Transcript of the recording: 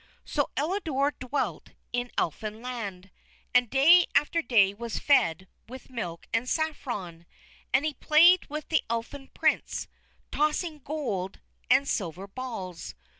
So Elidore dwelt in Elfinland, and day after day was fed with milk and saffron; and he played with the Elfin Prince, tossing gold and silver balls.